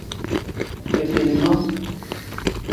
Fefelima.